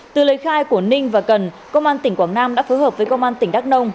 từ lời khai của ninh và cần công an tỉnh quảng nam đã phối hợp với công an tỉnh đắk nông